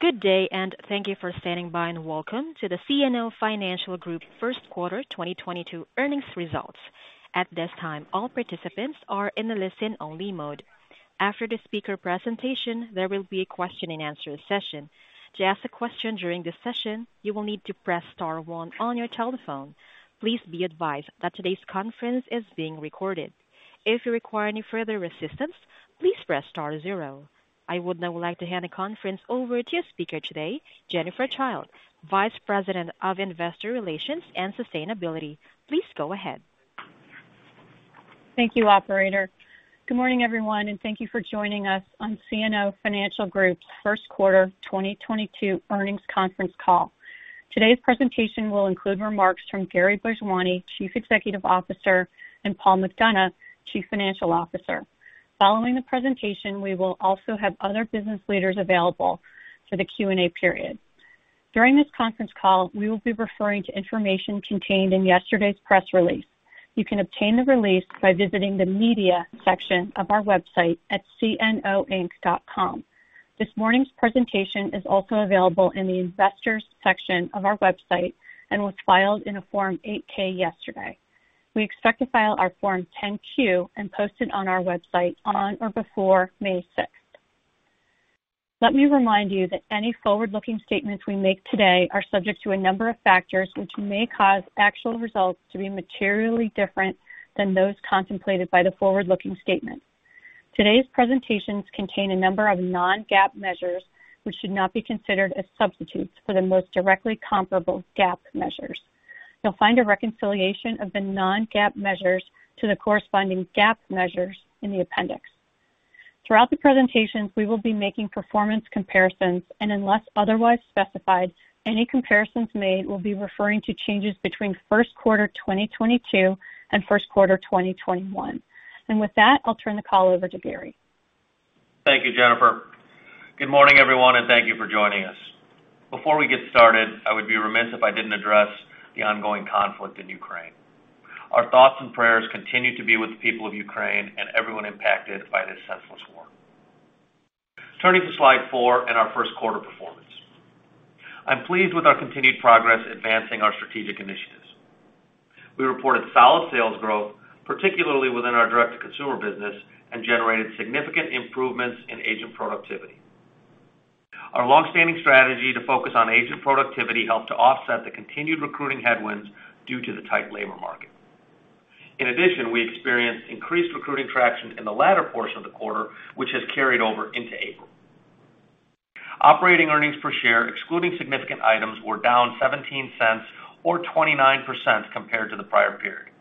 Good day, and thank you for standing by, and welcome to the CNO Financial Group first quarter 2022 earnings results. At this time, all participants are in a listen only mode. After the speaker presentation, there will be a question and answer session. To ask a question during this session, you will need to press star one on your telephone. Please be advised that today's conference is being recorded. If you require any further assistance, please press star zero. I would now like to hand the conference over to speaker today, Jennifer Childe, Vice President of Investor Relations and Sustainability. Please go ahead. Thank you, operator. Good morning, everyone, and thank you for joining us on CNO Financial Group's first quarter 2022 earnings conference call. Today's presentation will include remarks from Gary Bhojwani, Chief Executive Officer, and Paul McDonough, Chief Financial Officer. Following the presentation, we will also have other business leaders available for the Q&A period. During this conference call, we will be referring to information contained in yesterday's press release. You can obtain the release by visiting the media section of our website at CNOinc.com. This morning's presentation is also available in the investors section of our website and was filed in a Form 8-K yesterday. We expect to file our Form 10-Q and post it on our website on or before May 6th. Let me remind you that any forward-looking statements we make today are subject to a number of factors, which may cause actual results to be materially different than those contemplated by the forward-looking statement. Today's presentations contain a number of non-GAAP measures, which should not be considered as substitutes for the most directly comparable GAAP measures. You'll find a reconciliation of the non-GAAP measures to the corresponding GAAP measures in the appendix. Throughout the presentations, we will be making performance comparisons, and unless otherwise specified, any comparisons made will be referring to changes between first quarter 2022 and first quarter 2021. With that, I'll turn the call over to Gary. Thank you, Jennifer. Good morning, everyone, and thank you for joining us. Before we get started, I would be remiss if I didn't address the ongoing conflict in Ukraine. Our thoughts and prayers continue to be with the people of Ukraine and everyone impacted by this senseless war. Turning to slide four and our first quarter performance. I'm pleased with our continued progress advancing our strategic initiatives. We reported solid sales growth, particularly within our direct-to-consumer business, and generated significant improvements in agent productivity. Our long-standing strategy to focus on agent productivity helped to offset the continued recruiting headwinds due to the tight labor market. In addition, we experienced increased recruiting traction in the latter portion of the quarter, which has carried over into April. Operating earnings per share, excluding significant items, were down $0.17 or 29% compared to the prior period.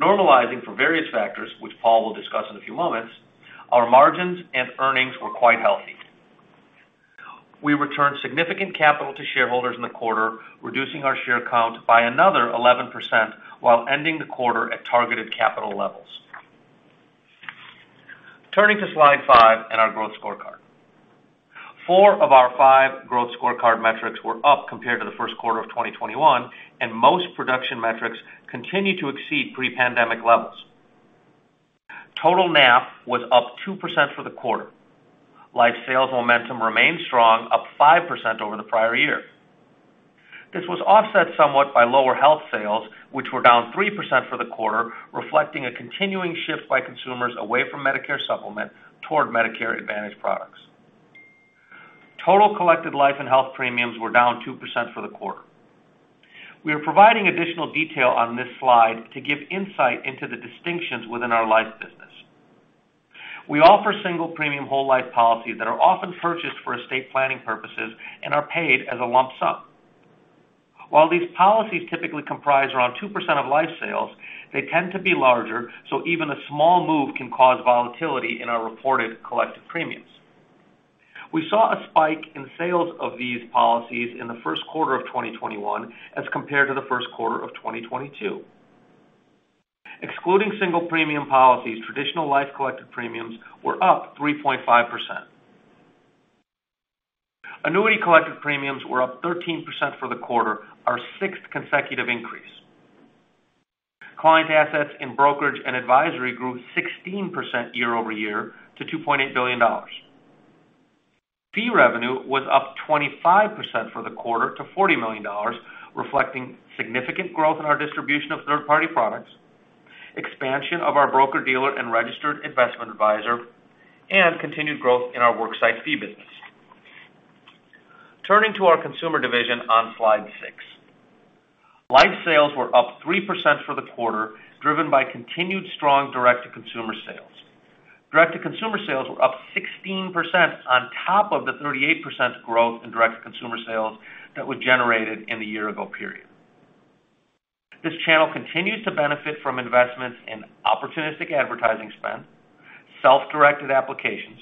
Normalizing for various factors, which Paul will discuss in a few moments, our margins and earnings were quite healthy. We returned significant capital to shareholders in the quarter, reducing our share count by another 11% while ending the quarter at targeted capital levels. Turning to slide five and our growth scorecard. Four of our five growth scorecard metrics were up compared to the first quarter of 2021, and most production metrics continue to exceed pre-pandemic levels. Total NAP was up 2% for the quarter. Life sales momentum remained strong, up 5% over the prior year. This was offset somewhat by lower health sales, which were down 3% for the quarter, reflecting a continuing shift by consumers away from Medicare Supplement toward Medicare Advantage products. Total collected life and health premiums were down 2% for the quarter. We are providing additional detail on this slide to give insight into the distinctions within our life business. We offer Single Premium Whole Life policies that are often purchased for estate planning purposes and are paid as a lump sum. While these policies typically comprise around 2% of life sales, they tend to be larger, so even a small move can cause volatility in our reported collective premiums. We saw a spike in sales of these policies in the first quarter of 2021 as compared to the first quarter of 2022. Excluding single premium policies, traditional life collected premiums were up 3.5%. Annuity collected premiums were up 13% for the quarter, our sixth consecutive increase. Client assets in brokerage and advisory grew 16% year-over-year to $2.8 billion. Fee revenue was up 25% for the quarter to $40 million, reflecting significant growth in our distribution of third-party products, expansion of our broker-dealer and registered investment advisor, and continued growth in our worksite fee business. Turning to our consumer division on slide six. Life sales were up 3% for the quarter, driven by continued strong direct-to-consumer sales. Direct-to-consumer sales were up 16% on top of the 38% growth in direct-to-consumer sales that were generated in the year ago period. This channel continues to benefit from investments in opportunistic advertising spend, self-directed applications,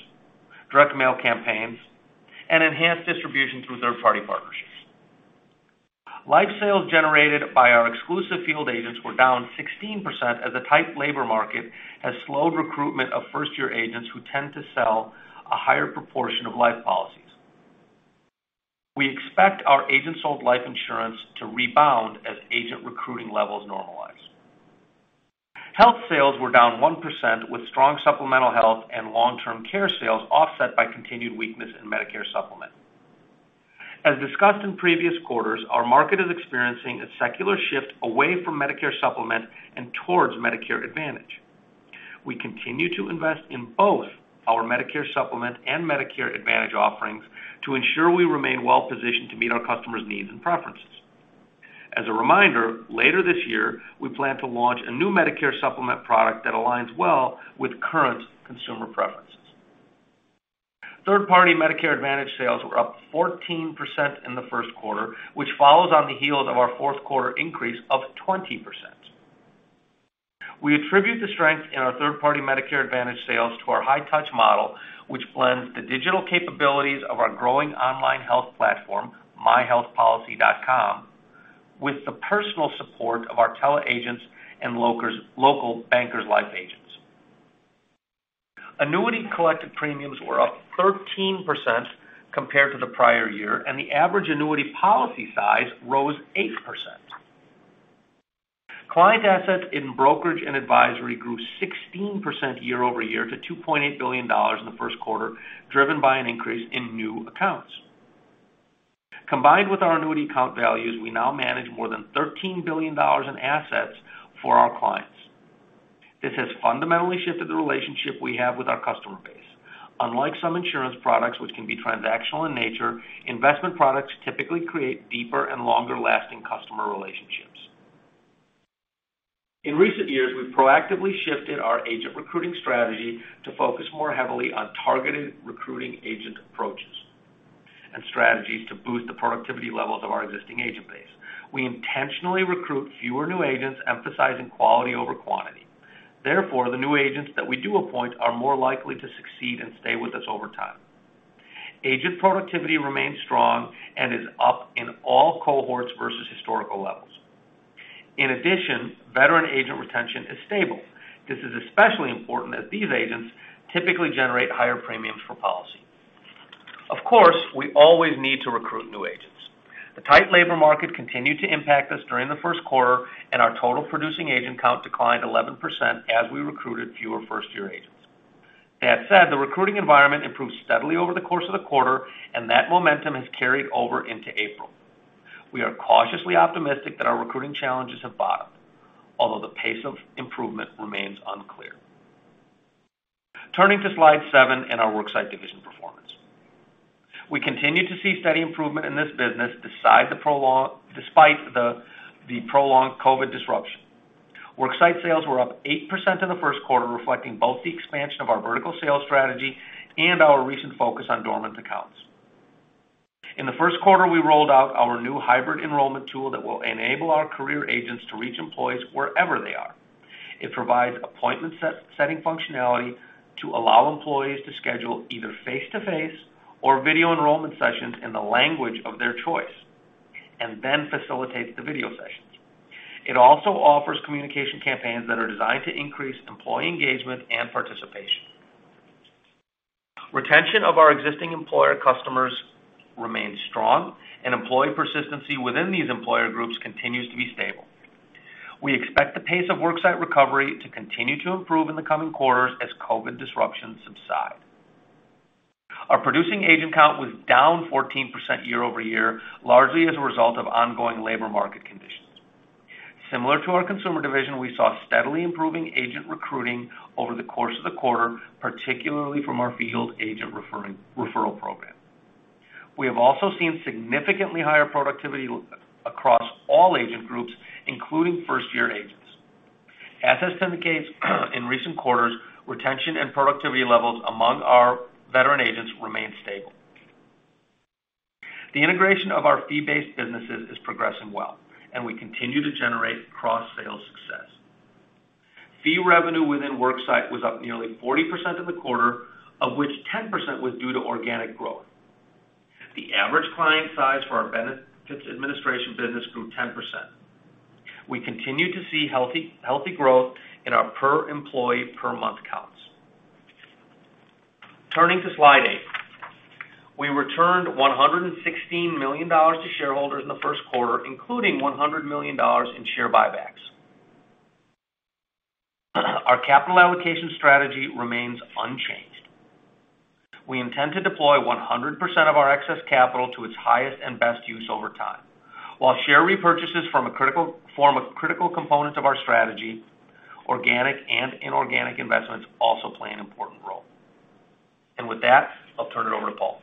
direct mail campaigns, and enhanced distribution through third-party partnerships. Life sales generated by our exclusive field agents were down 16% as a tight labor market has slowed recruitment of first-year agents who tend to sell a higher proportion of life policies. We expect our agent sold life insurance to rebound as agent recruiting levels normalize. Health sales were down 1% with strong supplemental health and long-term care sales offset by continued weakness in Medicare Supplement. As discussed in previous quarters, our market is experiencing a secular shift away from Medicare Supplement and towards Medicare Advantage. We continue to invest in both our Medicare Supplement and Medicare Advantage offerings to ensure we remain well-positioned to meet our customers' needs and preferences. As a reminder, later this year, we plan to launch a new Medicare Supplement product that aligns well with current consumer preferences. Third-party Medicare Advantage sales were up 14% in the first quarter, which follows on the heels of our fourth quarter increase of 20%. We attribute the strength in our third-party Medicare Advantage sales to our high touch model, which blends the digital capabilities of our growing online health platform, myHealthPolicy.com, with the personal support of our tele agents and local Bankers Life agents. Annuity collected premiums were up 13% compared to the prior year, and the average annuity policy size rose 8%. Client assets in brokerage and advisory grew 16% year-over-year to $2.8 billion in the first quarter, driven by an increase in new accounts. Combined with our annuity count values, we now manage more than $13 billion in assets for our clients. This has fundamentally shifted the relationship we have with our customer base. Unlike some insurance products, which can be transactional in nature, investment products typically create deeper and longer-lasting customer relationships. In recent years, we've proactively shifted our agent recruiting strategy to focus more heavily on targeted recruiting agent approaches and strategies to boost the productivity levels of our existing agent base. We intentionally recruit fewer new agents, emphasizing quality over quantity. Therefore, the new agents that we do appoint are more likely to succeed and stay with us over time. Agent productivity remains strong and is up in all cohorts versus historical levels. In addition, veteran agent retention is stable. This is especially important as these agents typically generate higher premiums per policy. Of course, we always need to recruit new agents. The tight labor market continued to impact us during the first quarter, and our total producing agent count declined 11% as we recruited fewer first-year agents. That said, the recruiting environment improved steadily over the course of the quarter, and that momentum has carried over into April. We are cautiously optimistic that our recruiting challenges have bottomed, although the pace of improvement remains unclear. Turning to slide seven in our Worksite division performance. We continue to see steady improvement in this business despite the prolonged COVID disruption. Worksite sales were up 8% in the first quarter, reflecting both the expansion of our vertical sales strategy and our recent focus on dormant accounts. In the first quarter, we rolled out our new hybrid enrollment tool that will enable our career agents to reach employees wherever they are. It provides appointment setting functionality to allow employees to schedule either face-to-face or video enrollment sessions in the language of their choice and then facilitates the video sessions. It also offers communication campaigns that are designed to increase employee engagement and participation. Retention of our existing employer customers remains strong, and employee persistency within these employer groups continues to be stable. We expect the pace of Worksite recovery to continue to improve in the coming quarters as COVID disruptions subside. Our producing agent count was down 14% year-over-year, largely as a result of ongoing labor market conditions. Similar to our consumer division, we saw steadily improving agent recruiting over the course of the quarter, particularly from our field agent referral program. We have also seen significantly higher productivity across all agent groups, including first-year agents. As this indicates, in recent quarters, retention and productivity levels among our veteran agents remain stable. The integration of our fee-based businesses is progressing well, and we continue to generate cross-sale success. Fee revenue within Worksite was up nearly 40% in the quarter, of which 10% was due to organic growth. The average client size for our benefits administration business grew 10%. We continue to see healthy growth in our per employee per month counts. Turning to slide eight. We returned $116 million to shareholders in the first quarter, including $100 million in share buybacks. Our capital allocation strategy remains unchanged. We intend to deploy 100% of our excess capital to its highest and best use over time. While share repurchases form a critical component of our strategy, organic and inorganic investments also play an important role. With that, I'll turn it over to Paul.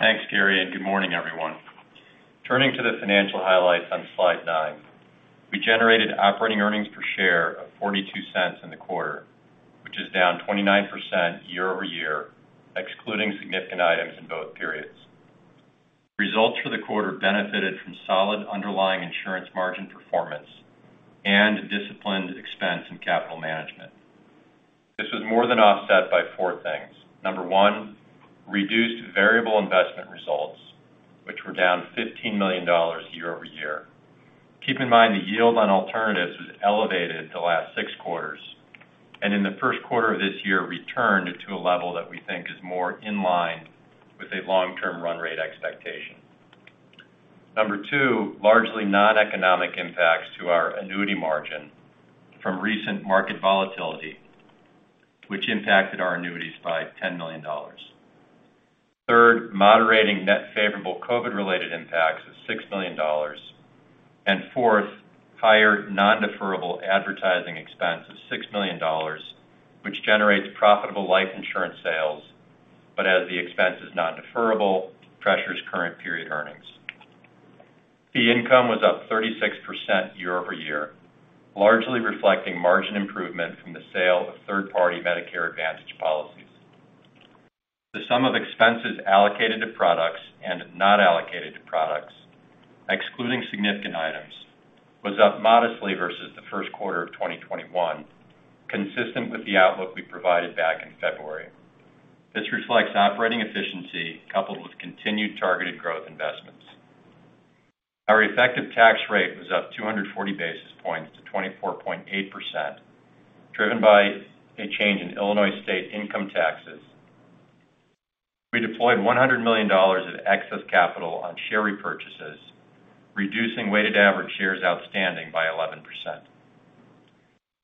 Thanks, Gary, and good morning, everyone. Turning to the financial highlights on slide nine. We generated operating earnings per share of $0.42 in the quarter, which is down 29% year-over-year, excluding significant items in both periods. Results for the quarter benefited from solid underlying insurance margin performance and disciplined expense in capital management. This was more than offset by four things. Number one, reduced variable investment results, which were down $15 million year-over-year. Keep in mind, the yield on alternatives was elevated the last six quarters, and in the first quarter of this year returned to a level that we think is more in line with a long-term run rate expectation. Number two, largely noneconomic impacts to our annuity margin from recent market volatility, which impacted our annuities by $10 million. Third, moderating net favorable COVID-related impacts of $6 million. Fourth, higher non-deferrable advertising expense of $6 million, which generates profitable life insurance sales. As the expense is non-deferrable, pressures current period earnings. Fee income was up 36% year-over-year, largely reflecting margin improvement from the sale of third-party Medicare Advantage policies. The sum of expenses allocated to products and not allocated to products, excluding significant items, was up modestly versus the first quarter of 2021, consistent with the outlook we provided back in February. This reflects operating efficiency coupled with continued targeted growth investments. Our effective tax rate was up 240 basis points to 24.8%, driven by a change in Illinois state income taxes. We deployed $100 million of excess capital on share repurchases, reducing weighted average shares outstanding by 11%.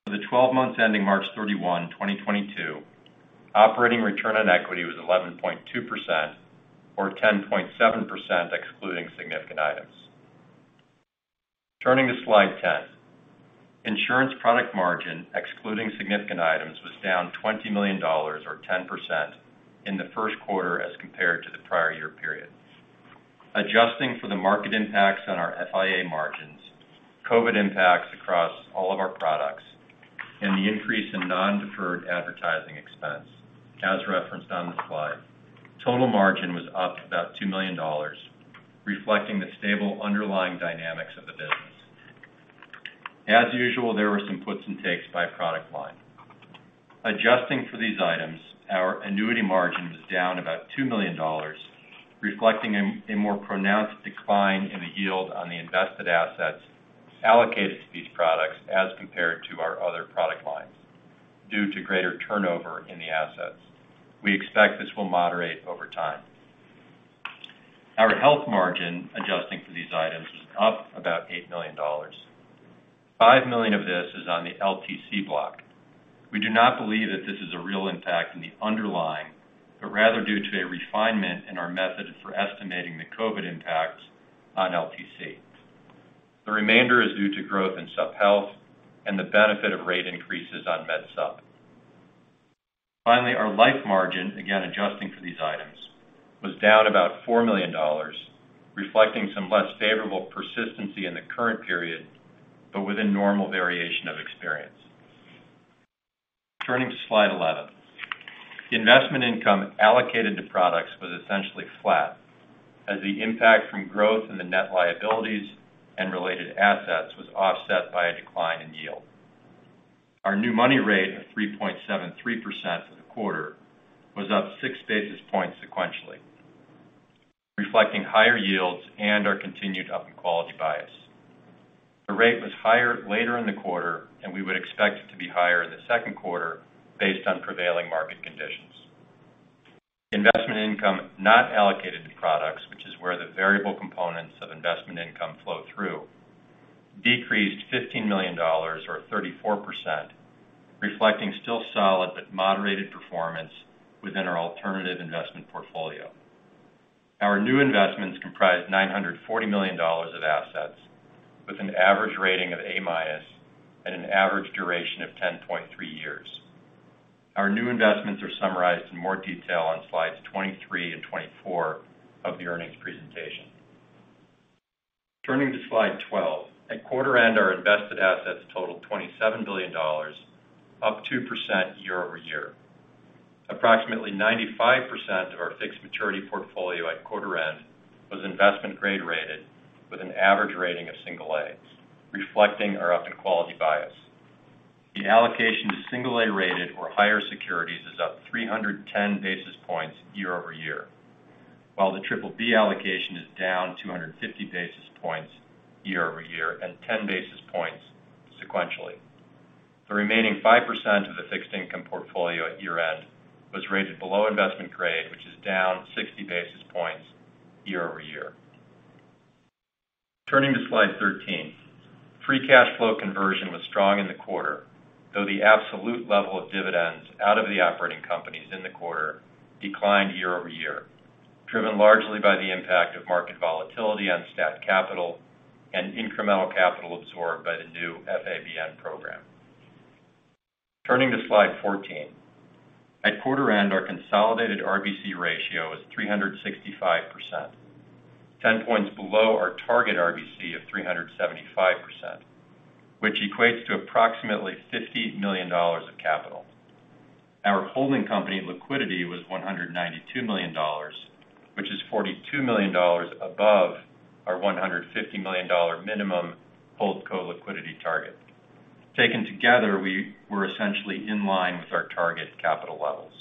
For the 12 months ending March 31, 2022, operating return on equity was 11.2% or 10.7% excluding significant items. Turning to slide 10. Insurance product margin, excluding significant items, was down $20 million or 10% in the first quarter as compared to the prior year period. Adjusting for the market impacts on our FIA margins, COVID impacts across all of our products, and the increase in non-deferred advertising expense, as referenced on the slide, total margin was up about $2 million, reflecting the stable underlying dynamics of the business. As usual, there were some puts and takes by product line. Adjusting for these items, our annuity margin was down about $2 million, reflecting a more pronounced decline in the yield on the invested assets allocated to these products as compared to our other product lines due to greater turnover in the assets. We expect this will moderate over time. Our health margin, adjusting for these items, was up about $8 million. $5 million of this is on the LTC block. We do not believe that this is a real impact in the underlying, but rather due to a refinement in our method for estimating the COVID impacts on LTC. The remainder is due to growth in supplemental health and the benefit of rate increases on Medicare Supplement. Finally, our life margin, again, adjusting for these items, was down about $4 million, reflecting some less favorable persistency in the current period, but within normal variation of experience. Turning to slide 11. Investment income allocated to products was essentially flat as the impact from growth in the net liabilities and related assets was offset by a decline in yield. Our new money rate of 3.73% for the quarter was up 6 basis points sequentially, reflecting higher yields and our continued up-in-quality bias. The rate was higher later in the quarter, and we would expect it to be higher in the second quarter based on prevailing market conditions. Investment income not allocated to products, which is where the variable components of investment income flow through, decreased $15 million or 34%, reflecting still solid but moderated performance within our alternative investment portfolio. Our new investments comprised $940 million of assets with an average rating of A- and an average duration of 10.3 years. Our new investments are summarized in more detail on slides 23 and 24 of the earnings presentation. Turning to slide 12. At quarter end, our invested assets totaled $27 billion, up 2% year-over-year. Approximately 95% of our fixed maturity portfolio at quarter end was investment grade rated with an average rating of single A, reflecting our up-in-quality bias. The allocation to single A-rated or higher securities is up 310 basis points year-over-year, while the triple B allocation is down 250 basis points year-over-year and 10 basis points sequentially. The remaining 5% of the fixed income portfolio at year-end was rated below investment grade, which is down 60 basis points year-over-year. Turning to slide 13. Free cash flow conversion was strong in the quarter, though the absolute level of dividends out of the operating companies in the quarter declined year-over-year, driven largely by the impact of market volatility on stat capital and incremental capital absorbed by the new FABN program. Turning to slide 14. At quarter end, our consolidated RBC ratio was 365%, 10 points below our target RBC of 375%, which equates to approximately $50 million of capital. Our holding company liquidity was $192 million, which is $42 million above our $150 million minimum HoldCo liquidity target. Taken together, we were essentially in line with our target capital levels.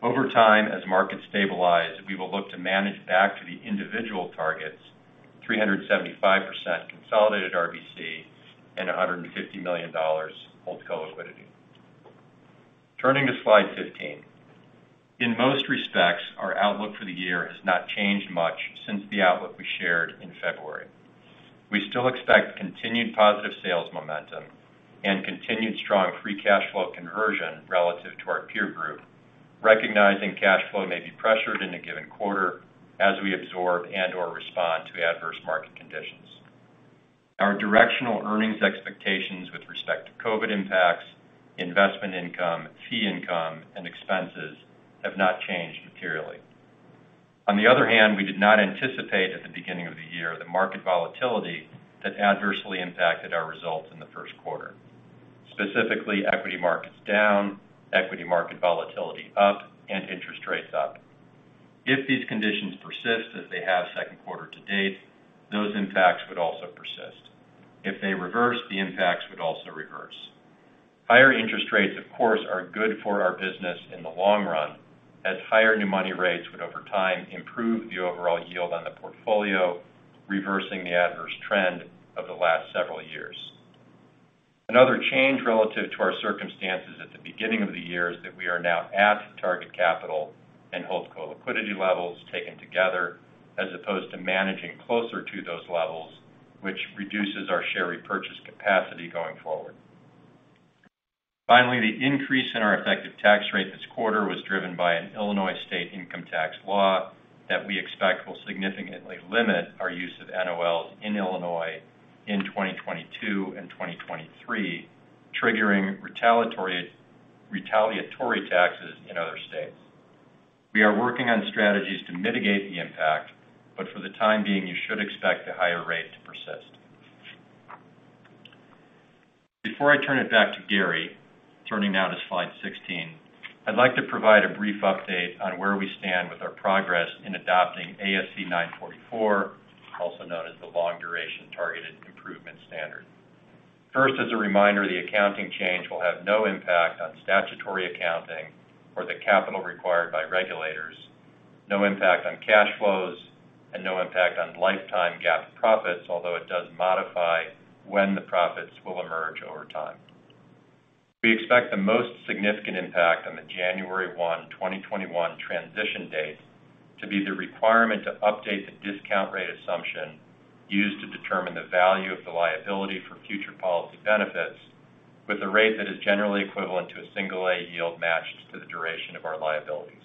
Over time, as markets stabilize, we will look to manage back to the individual targets, 375% consolidated RBC and $150 million HoldCo liquidity. Turning to slide 15. In most respects, our outlook for the year has not changed much since the outlook we shared in February. We still expect continued positive sales momentum and continued strong free cash flow conversion relative to our peer group, recognizing cash flow may be pressured in a given quarter as we absorb and/or respond to adverse market conditions. Our directional earnings expectations with respect to COVID impacts, investment income, fee income, and expenses have not changed materially. On the other hand, we did not anticipate at the beginning of the year the market volatility that adversely impacted our results in the first quarter. Specifically, equity markets down, equity market volatility up, and interest rates up. If these conditions persist, as they have second quarter to date, those impacts would also persist. If they reverse, the impacts would also reverse. Higher interest rates, of course, are good for our business in the long run, as higher new money rates would over time improve the overall yield on the portfolio, reversing the adverse trend of the last several years. Another change relative to our circumstances at the beginning of the year is that we are now at the target capital and HoldCo liquidity levels taken together, as opposed to managing closer to those levels, which reduces our share repurchase capacity going forward. Finally, the increase in our effective tax rate this quarter was driven by an Illinois state income tax law that we expect will significantly limit our use of NOLs in Illinois in 2022 and 2023, triggering retaliatory taxes in other states. We are working on strategies to mitigate the impact, but for the time being, you should expect the higher rate to persist. Before I turn it back to Gary, turning now to slide 16, I'd like to provide a brief update on where we stand with our progress in adopting ASC 944, also known as the Long-Duration Targeted Improvement standard. First, as a reminder, the accounting change will have no impact on statutory accounting or the capital required by regulators, no impact on cash flows, and no impact on lifetime GAAP profits, although it does modify when the profits will emerge over time. We expect the most significant impact on the January 1, 2021 transition date to be the requirement to update the discount rate assumption used to determine the value of the liability for future policy benefits with a rate that is generally equivalent to a single A yield matched to the duration of our liabilities.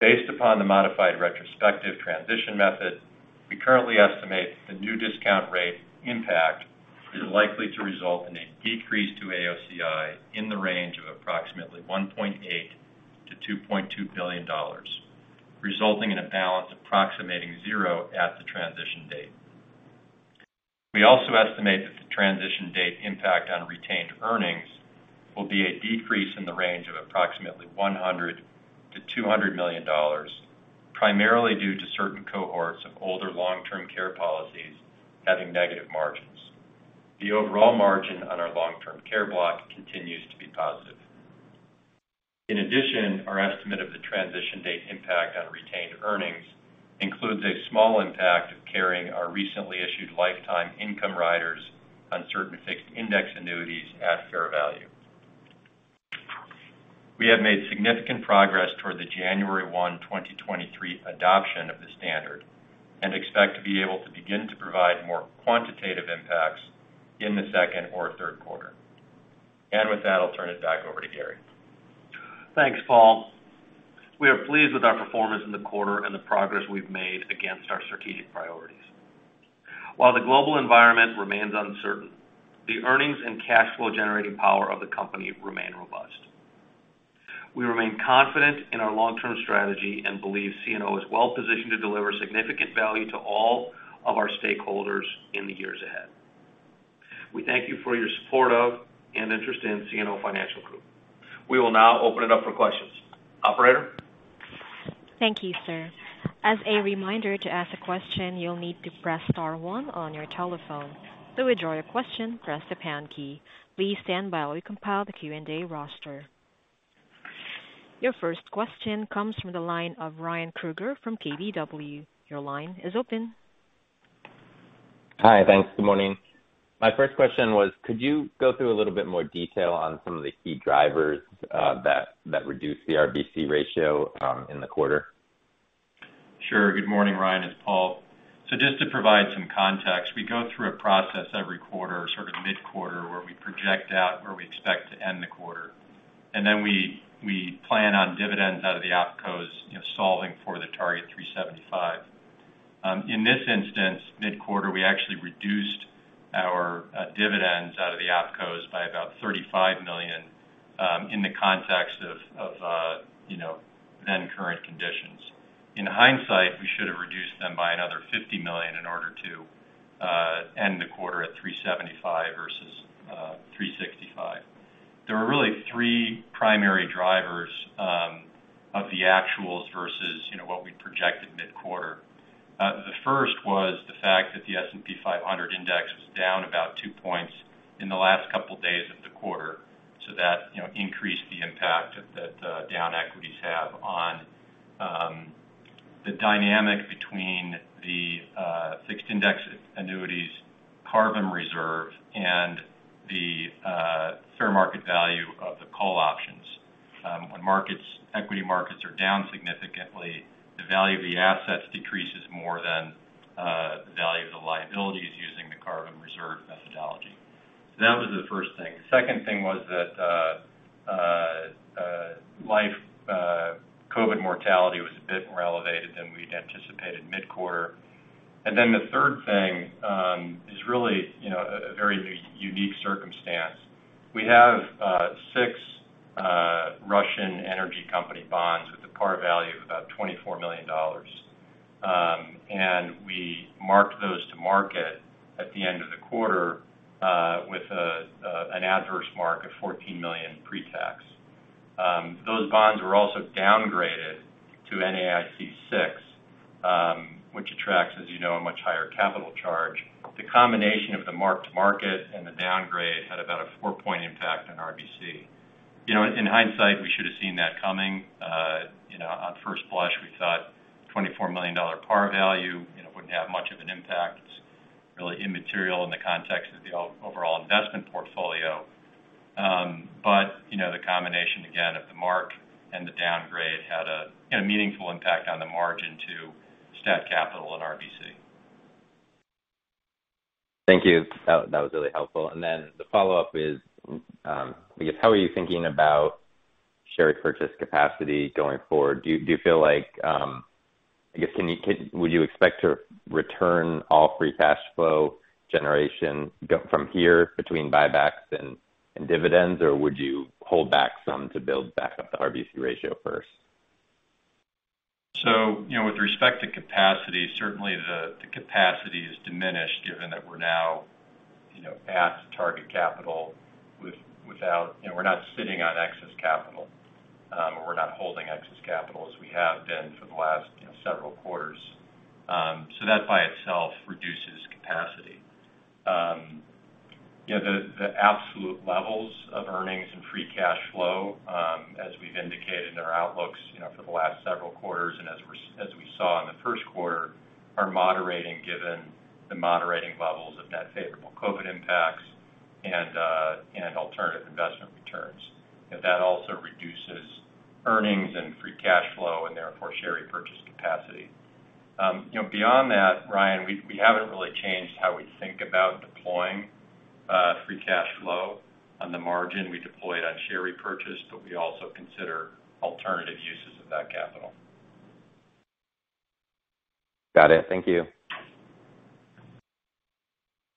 Based upon the modified retrospective transition method, we currently estimate the new discount rate impact is likely to result in a decrease to AOCI in the range of approximately $1.8 billion-$2.2 billion, resulting in a balance approximating zero at the transition date. We also estimate that the transition date impact on retained earnings will be a decrease in the range of approximately $100 million-$200 million, primarily due to certain cohorts of older long-term care policies having negative margins. The overall margin on our long-term care block continues to be positive. In addition, our estimate of the transition date impact on retained earnings includes a small impact of carrying our recently issued lifetime income riders on certain fixed index annuities at fair value. We have made significant progress toward the January 1, 2023 adoption of the standard and expect to be able to begin to provide more quantitative impacts in the second or third quarter. With that, I'll turn it back over to Gary. Thanks, Paul. We are pleased with our performance in the quarter and the progress we've made against our strategic priorities. While the global environment remains uncertain, the earnings and cash flow generating power of the company remain robust. We remain confident in our long-term strategy and believe CNO is well positioned to deliver significant value to all of our stakeholders in the years ahead. We thank you for your support of and interest in CNO Financial Group. We will now open it up for questions. Operator? Thank you, sir. As a reminder, to ask a question, you'll need to press star one on your telephone. To withdraw your question, press the pound key. Please stand by while we compile the Q&A roster. Your first question comes from the line of Ryan Krueger from KBW. Your line is open. Hi. Thanks. Good morning. My first question was, could you go through a little bit more detail on some of the key drivers that reduced the RBC ratio in the quarter? Sure. Good morning, Ryan. It's Paul. Just to provide some context, we go through a process every quarter, sort of mid-quarter, where we project out where we expect to end the quarter, and then we plan on dividends out of the OpCos, you know, solving for the target $375 million. In this instance, mid-quarter, we actually reduced our dividends out of the OpCos by about $35 million in the context of then current conditions. In hindsight, we should have reduced them by another $50 million in order to end the quarter at $375 million versus $365 million. There were really three primary drivers of the actuals versus what we projected mid-quarter. The first was the fact that the S&P 500 index was down about 2 points in the last couple days of the quarter, so that, you know, increased the impact of the dynamic between the fixed index annuities, CARVM reserve and the fair market value of the call options. When equity markets are down significantly, the value of the assets decreases more than the value of the liabilities using the CARVM reserve methodology. That was the first thing. The second thing was that life COVID mortality was a bit more elevated than we'd anticipated mid-quarter. The third thing is really, you know, a very unique circumstance. We have six Russian energy company bonds with a par value of about $24 million. We marked those to market at the end of the quarter, with an adverse mark of $14 million pre-tax. Those bonds were also downgraded to NAIC 6, which attracts, as you know, a much higher capital charge. The combination of the mark-to-market and the downgrade had about a 4-point impact on RBC. You know, in hindsight, we should have seen that coming. You know, on first blush, we thought $24 million par value wouldn't have much of an impact. It's really immaterial in the context of the overall investment portfolio. You know, the combination, again, of the mark and the downgrade had a meaningful impact on the margin to statutory capital and RBC. Thank you. That was really helpful. The follow-up is, I guess, how are you thinking about share purchase capacity going forward? Do you feel like would you expect to return all free cash flow generation going from here between buybacks and dividends, or would you hold back some to build back up the RBC ratio first? You know, with respect to capacity, certainly the capacity is diminished given that we're now at target capital. You know, we're not sitting on excess capital or we're not holding excess capital as we have been for the last several quarters. That by itself reduces capacity. You know, the absolute levels of earnings and free cash flow as we've indicated in our outlooks for the last several quarters and as we saw in the first quarter are moderating given the moderating levels of net favorable COVID impacts and alternative investment returns. You know, that also reduces earnings and free cash flow, and therefore share repurchase capacity. You know, beyond that, Ryan, we haven't really changed how we think about deploying free cash flow. On the margin, we deploy it on share repurchase, but we also consider alternative uses of that capital. Got it. Thank you.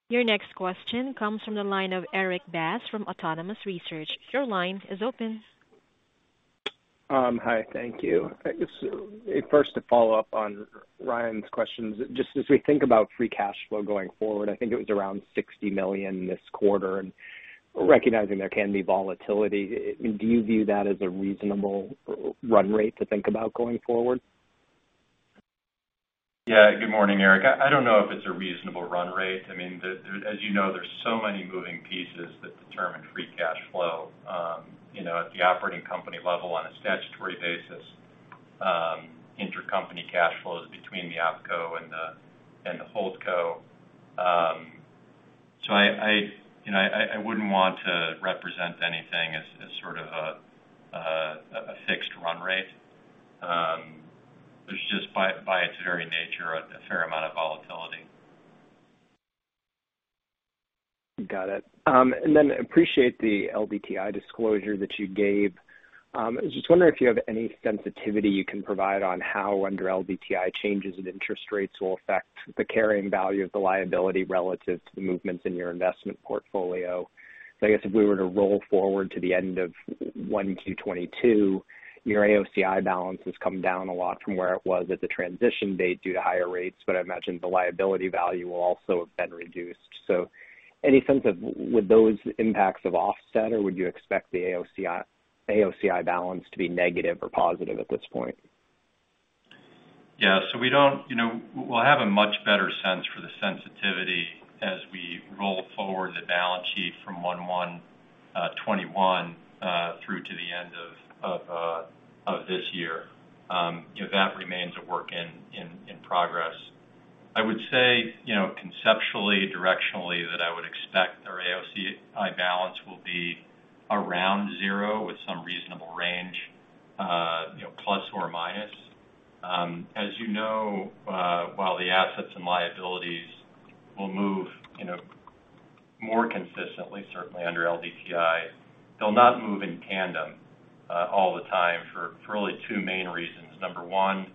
Your next question comes from the line of Erik Bass from Autonomous Research. Your line is open. Hi. Thank you. I guess, first, to follow up on Ryan's questions, just as we think about free cash flow going forward, I think it was around $60 million this quarter, and recognizing there can be volatility, do you view that as a reasonable run rate to think about going forward? Yeah. Good morning, Erik. I don't know if it's a reasonable run rate. I mean, as you know, there's so many moving pieces that determine free cash flow, you know, at the operating company level on a statutory basis, intercompany cash flows between the OpCo and the HoldCo. I, you know, wouldn't want to represent anything as sort of a fixed run rate. There's just, by its very nature, a fair amount of volatility. Got it. Appreciate the LDTI disclosure that you gave. I was just wondering if you have any sensitivity you can provide on how under LDTI changes in interest rates will affect the carrying value of the liability relative to the movements in your investment portfolio. I guess if we were to roll forward to the end of 1Q 2022, your AOCI balance has come down a lot from where it was at the transition date due to higher rates, but I imagine the liability value will also have been reduced. Any sense of would those impacts have offset, or would you expect the AOCI balance to be negative or positive at this point? Yeah. You know, we'll have a much better sense for the sensitivity as we roll forward the balance sheet from 1/1/2021 through to the end of this year. You know, that remains a work in progress. I would say, you know, conceptually, directionally, that I would expect our AOCI balance will be around zero with some reasonable range, you know, plus or minus. As you know, while the assets and liabilities will move, you know, more consistently, certainly under LDTI, they'll not move in tandem all the time for really two main reasons. Number one,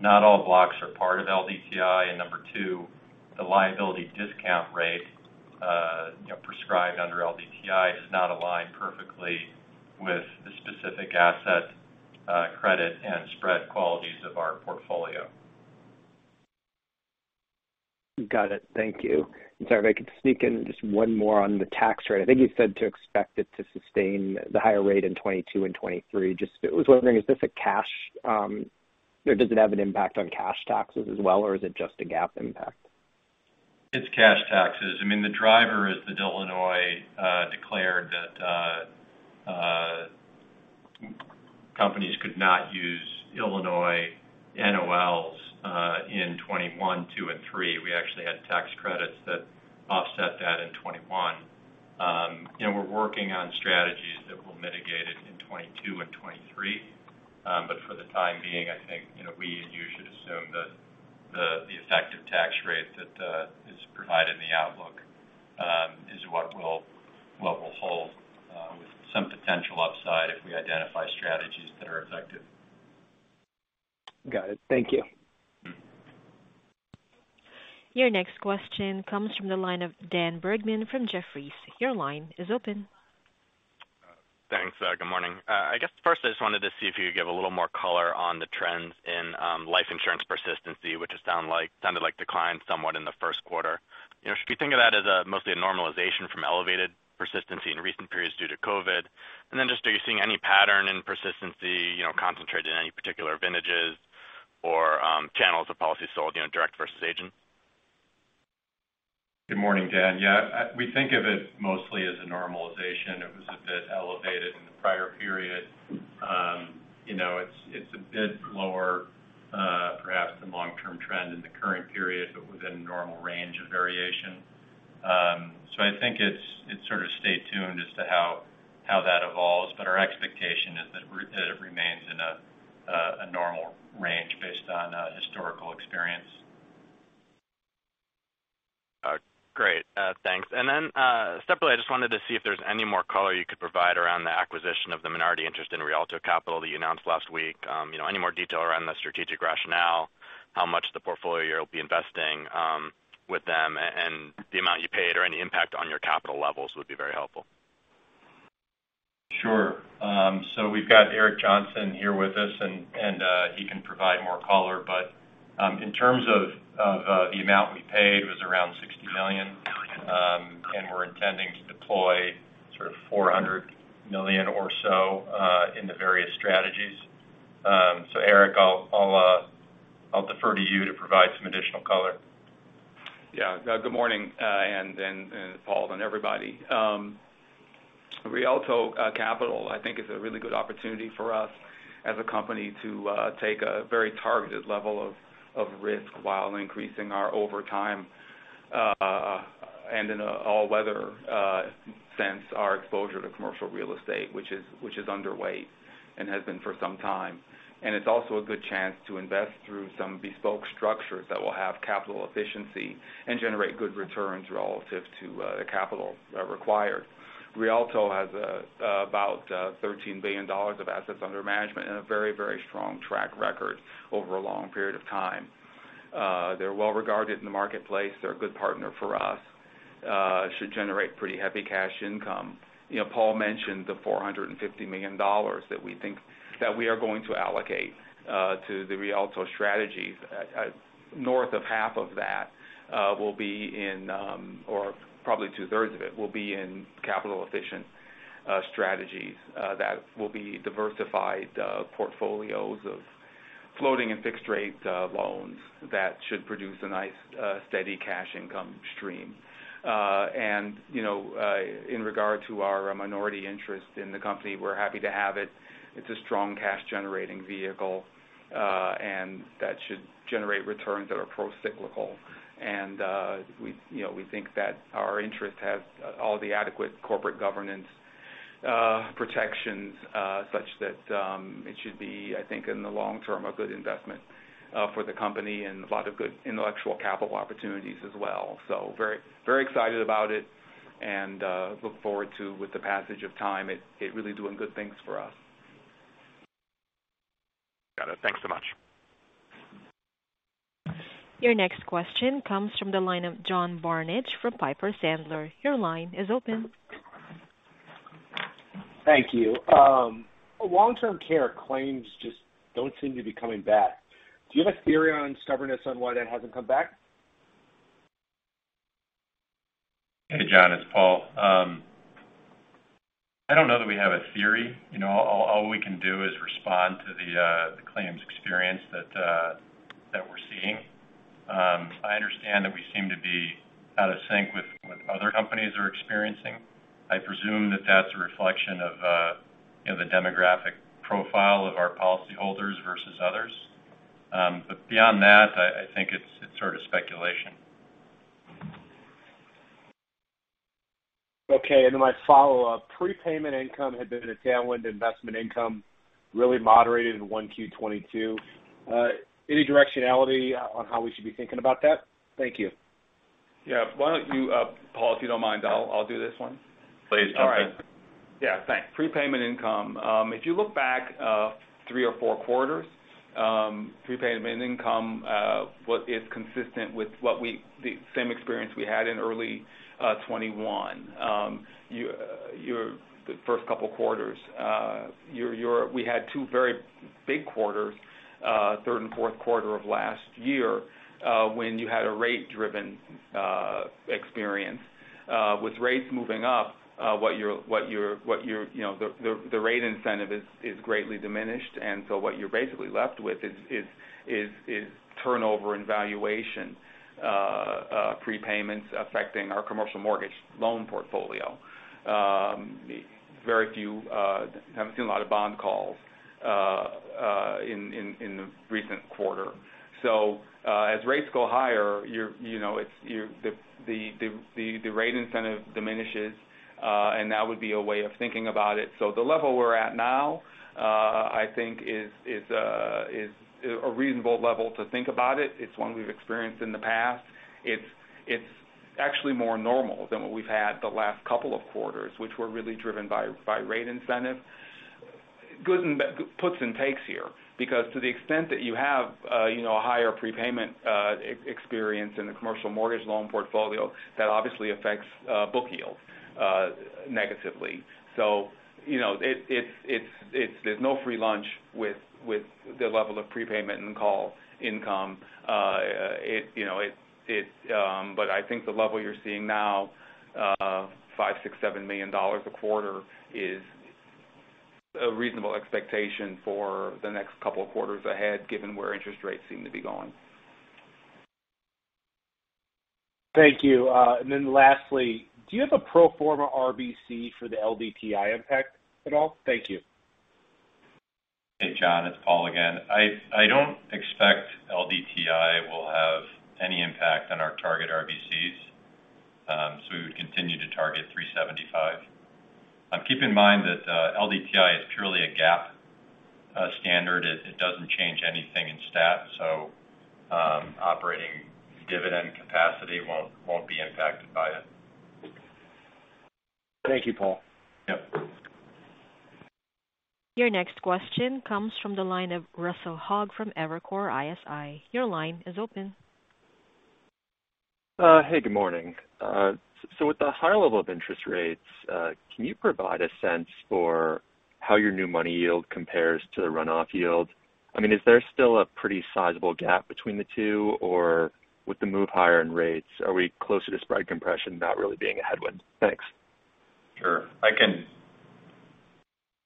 not all blocks are part of LDTI. Number two, the liability discount rate, you know, prescribed under LDTI is not aligned perfectly with the specific asset credit and spread qualities of our portfolio. Got it. Thank you. Sorry, if I could sneak in just one more on the tax rate. I think you said to expect it to sustain the higher rate in 2022 and 2023. Just was wondering, is this a cash, or does it have an impact on cash taxes as well, or is it just a GAAP impact? It's cash taxes. I mean, the driver is that Illinois declared that companies could not use Illinois NOLs in 2021, 2022 and 2023. We actually had tax credits that offset that in 2021. We're working on strategies that will mitigate it in 2022 and 2023. For the time being, I think, you know, we usually assume that the effective tax rate that is provided in the outlook is what will hold with some potential upside if we identify strategies that are effective. Got it. Thank you. Your next question comes from the line of Dan Bergman from Jefferies. Your line is open. Thanks. Good morning. I guess first, I just wanted to see if you could give a little more color on the trends in life insurance persistency, which has sounded like declined somewhat in the first quarter. You know, should we think of that as mostly a normalization from elevated persistency in recent periods due to COVID? Are you seeing any pattern in persistency, you know, concentrated in any particular vintages or channels of policy sold, you know, direct versus agent? Good morning, Dan. Yeah, we think of it mostly as a normalization. It was a bit elevated in the prior period. You know, it's a bit lower, perhaps the long-term trend in the current period, but within normal range of variation. I think it's sort of stay tuned as to how that evolves. Our expectation is that it remains in a normal range based on historical experience. Great. Thanks. Then, separately, I just wanted to see if there's any more color you could provide around the acquisition of the minority interest in Rialto Capital that you announced last week. You know, any more detail around the strategic rationale, how much to the portfolio you'll be investing with them and the amount you paid or any impact on your capital levels would be very helpful. Sure. We've got Eric Johnson here with us and he can provide more color. In terms of the amount we paid was around $60 million, and we're intending to deploy sort of $400 million or so in the various strategies. Eric, I'll defer to you to provide some additional color. Yeah. Good morning, and Paul and everybody. Rialto Capital, I think is a really good opportunity for us as a company to take a very targeted level of risk while increasing our overall, and in an all-weather sense, our exposure to commercial real estate, which is underweight and has been for some time. It's also a good chance to invest through some bespoke structures that will have capital efficiency and generate good returns relative to the capital required. Rialto Capital has about $13 billion of assets under management and a very, very strong track record over a long period of time. They're well-regarded in the marketplace. They're a good partner for us. Should generate pretty heavy cash income. You know, Paul mentioned the $450 million that we think that we are going to allocate to the Rialto strategies. North of half of that will be in, or probably two-thirds of it will be in capital efficient strategies that will be diversified portfolios of floating and fixed rate loans that should produce a nice steady cash income stream. You know, in regard to our minority interest in the company, we're happy to have it. It's a strong cash-generating vehicle, and that should generate returns that are procyclical. We, you know, think that our interest has all the adequate corporate governance protections such that it should be, I think, in the long term, a good investment for the company and a lot of good intellectual capital opportunities as well. Very, very excited about it and look forward to with the passage of time, it really doing good things for us. Got it. Thanks so much. Your next question comes from the line of John Barnidge from Piper Sandler. Your line is open. Thank you. Long-term care claims just don't seem to be coming back. Do you have a theory on stubbornness on why that hasn't come back? Hey, John, it's Paul. I don't know that we have a theory. You know, all we can do is respond to the claims experience that we're seeing. I understand that we seem to be out of sync with what other companies are experiencing. I presume that that's a reflection of you know, the demographic profile of our policyholders versus others. But beyond that, I think it's sort of speculation. Okay. My follow-up, prepayment income had been a tailwind investment income really moderated in 1Q 2022. Any directionality on how we should be thinking about that? Thank you. Yeah. Why don't you, Paul, if you don't mind, I'll do this one. Please. Okay. All right. Yeah. Thanks. Prepayment income. If you look back three or four quarters, prepayment income what is consistent with the same experience we had in early 2021. Your the first couple quarters, your we had two very big quarters, third and fourth quarter of last year, when you had a rate-driven experience. With rates moving up, what you're you know, the rate incentive is greatly diminished, and so what you're basically left with is turnover and valuation prepayments affecting our commercial mortgage loan portfolio. Very few, haven't seen a lot of bond calls in the recent quarter. As rates go higher, you know, it's the rate incentive diminishes, and that would be a way of thinking about it. The level we're at now, I think is a reasonable level to think about it. It's one we've experienced in the past. It's actually more normal than what we've had the last couple of quarters, which were really driven by rate incentive. Good and bad puts and takes here, because to the extent that you have, you know, a higher prepayment experience in the commercial mortgage loan portfolio, that obviously affects book yield negatively. You know, there's no free lunch with the level of prepayment and call income. I think the level you're seeing now, $5million, $6 million,$7 million a quarter is a reasonable expectation for the next couple of quarters ahead given where interest rates seem to be going. Thank you. Lastly, do you have a pro forma RBC for the LDTI impact at all? Thank you. Hey, John, it's Paul again. I don't expect LDTI will have any impact on our target RBCs. We would continue to target 375%. Keep in mind that LDTI is purely a GAAP standard. It doesn't change anything in stat, so operating dividend capacity won't be impacted by it. Thank you, Paul. Yep. Your next question comes from the line of Thomas Gallagher from Evercore ISI. Your line is open. Hey, good morning. With the higher level of interest rates, can you provide a sense for how your new money yield compares to the runoff yield? I mean, is there still a pretty sizable gap between the two? Or with the move higher in rates, are we closer to spread compression not really being a headwind? Thanks. Sure. I can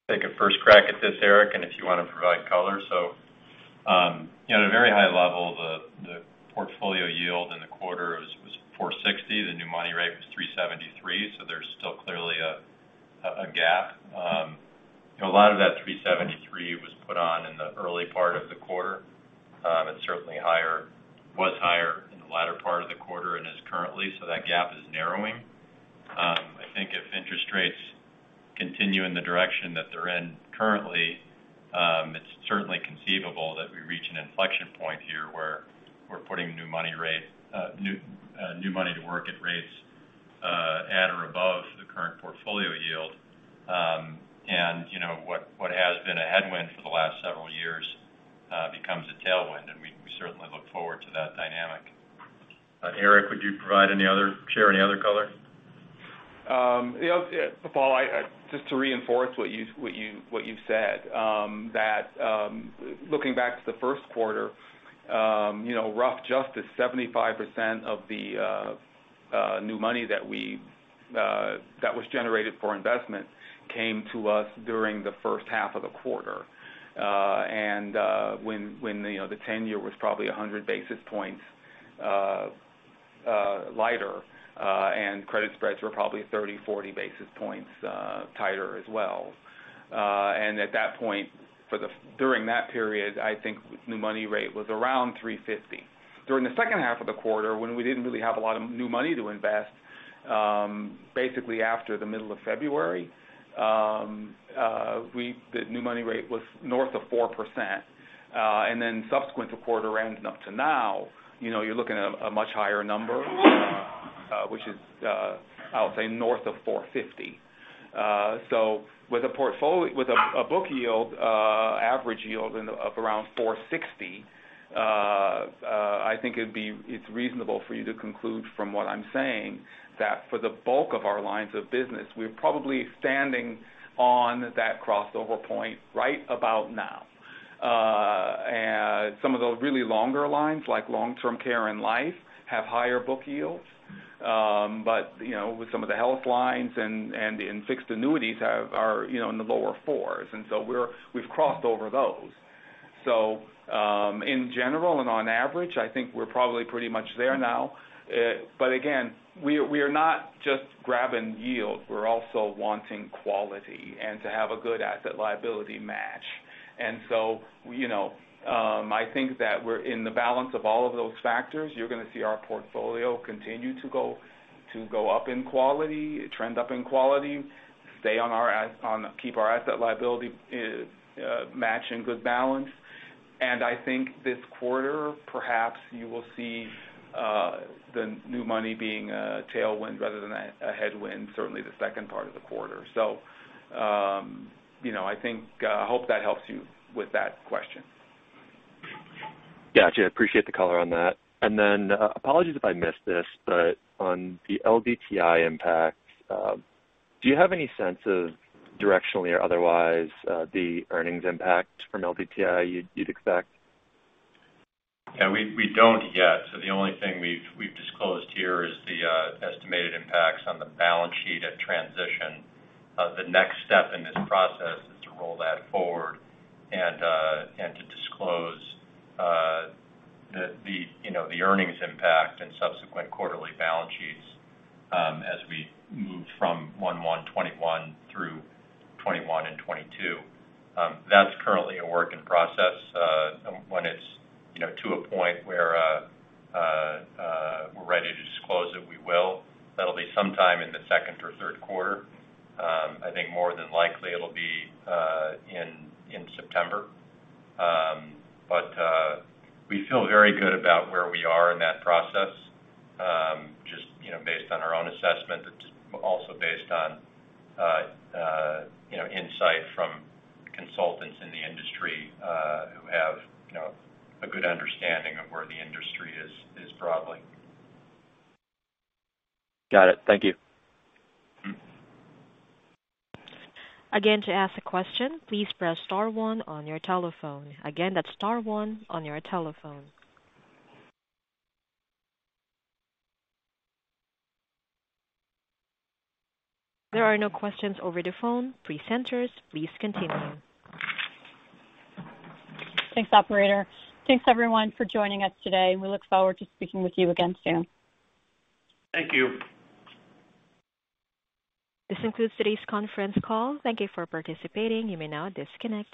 take a first crack at this, Eric, and if you wanna provide color. You know, at a very high level, the portfolio yield in the quarter was 4.60%. The new money rate was 3.73%, so there's still clearly a gap. You know, a lot of that 3.73% was put on in the early part of the quarter. It is certainly higher, was higher in the latter part of the quarter and is currently, so that gap is narrowing. I think if interest rates continue in the direction that they're in currently, it is certainly conceivable that we reach an inflection point here, where we're putting new money to work at rates at or above the current portfolio yield. You know what has been a headwind for the last several years becomes a tailwind, and we certainly look forward to that dynamic. Eric, would you share any other color? Yeah, Paul, I just to reinforce what you've said. That, looking back to the first quarter, you know, roughly 75% of the new money that was generated for investment came to us during the first half of the quarter. When you know, the 10-year was probably 100 basis points lighter, and credit spreads were probably 30-40 basis points tighter as well. At that point, during that period, I think new money rate was around 3.50. During the second half of the quarter, when we didn't really have a lot of new money to invest, basically after the middle of February, the new money rate was north of 4%. Subsequent to quarter end and up to now, you know, you're looking at a much higher number, which is, I would say north of 4.50%. So with a book yield, average yield of around 4.60%, I think it's reasonable for you to conclude from what I'm saying that for the bulk of our lines of business, we're probably standing on that crossover point right about now. Some of the really longer lines, like long-term care and life, have higher book yields. You know, with some of the health lines and in fixed annuities are, you know, in the lower 4s, and so we've crossed over those. In general and on average, I think we're probably pretty much there now. Again, we are not just grabbing yield. We're also wanting quality and to have a good asset liability match. You know, I think that we're in the balance of all of those factors. You're gonna see our portfolio continue to go up in quality, trend up in quality, stay on our, keep our asset liability match in good balance. I think this quarter, perhaps you will see the new money being a tailwind rather than a headwind, certainly the second part of the quarter. You know, I think I hope that helps you with that question. Gotcha. Appreciate the color on that. Apologies if I missed this, but on the LDTI impact, do you have any sense of directionally or otherwise, the earnings impact from LDTI you'd expect? Yeah, we don't yet. The only thing we've disclosed here is the estimated impacts on the balance sheet at transition. The next step in this process is to roll that forward and to disclose, you know, the earnings impact and subsequent quarterly balance sheets as we move from 1/1/2021 through 2021 and 2022. That's currently a work in process. When it's, you know, to a point where we're ready to disclose it, we will. That'll be sometime in the second or third quarter. I think more than likely it'll be in September. We feel very good about where we are in that process, just, you know, based on our own assessment. It's also based on you know insight from consultants in the industry who have you know a good understanding of where the industry is broadly. Got it. Thank you. Mm-hmm. Again, to ask a question, please press star one on your telephone. Again, that's star one on your telephone. There are no questions over the phone. Presenters, please continue. Thanks, operator. Thanks, everyone, for joining us today. We look forward to speaking with you again soon. Thank you. This concludes today's conference call. Thank you for participating. You may now disconnect.